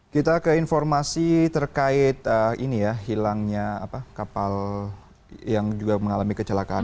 kita ke informasi terkait ini ya hilangnya kapal yang juga mengalami kecelakaan